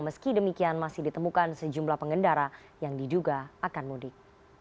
meski demikian masih ditemukan sejumlah pengendara yang diduga akan mudik